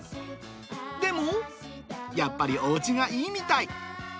でも、やっぱりおうちがいいみたい。